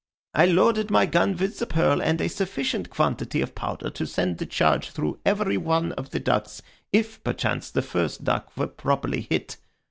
I loaded my gun with the pearl and a sufficient quantity of powder to send the charge through every one of the ducks if, perchance, the first duck were properly hit.